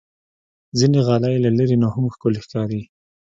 ځینې غالۍ له لرې نه هم ښکلي ښکاري.